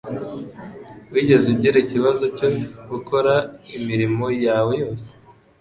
Wigeze ugira ikibazo cyo gukora imirimo yawe yose